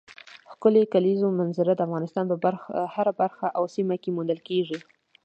ښکلې کلیزو منظره د افغانستان په هره برخه او سیمه کې موندل کېږي.